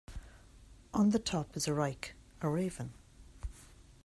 On the top is a "Rauk", a raven.